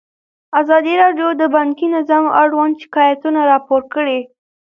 ازادي راډیو د بانکي نظام اړوند شکایتونه راپور کړي.